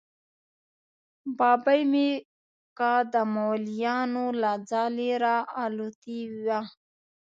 ببۍ مې که د مولیانو له ځالې را الوتې وه.